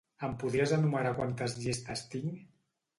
Em podries enumerar quantes llistes tinc?